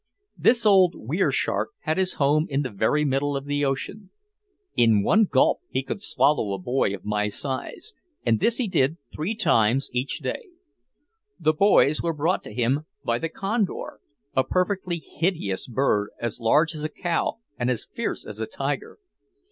This old "Were shark" had his home in the very middle of the ocean. In one gulp he could swallow a boy of my size, and this he did three times each day. The boys were brought to him by the "Condor," a perfectly hideous bird as large as a cow and as fierce as a tiger.